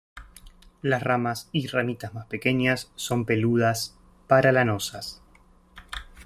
Las ramas y ramitas más pequeñas son peludas para lanosas.